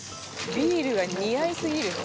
「ビールが似合いすぎる」